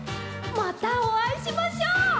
またおあいしましょう。